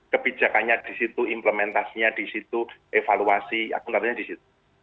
kebijakannya di situ implementasinya di situ evaluasi akuntabelnya di situ